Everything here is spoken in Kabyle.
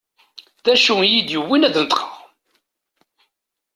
D acu i yi-yewwin ad d-neṭqeɣ?